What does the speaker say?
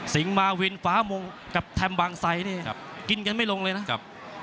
สิงหมาวินฟ้ามงกับแถมบางไซค์เนี่ยกินกันไม่ลงเลยนะ